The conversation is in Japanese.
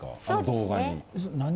そうですね。